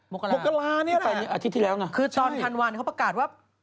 มกราอาทิตย์ที่แล้วนะใช่คือตอนธันวาลเขาประกาศว่า